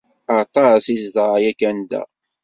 Aṭas i zedɣeɣ yakan da.